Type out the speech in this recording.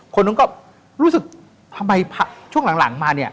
คนนู้นก็รู้สึกทำไมช่วงหลังมาเนี่ย